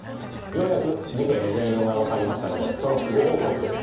ようやく事件の全容がわかりましたのでそのご報告です。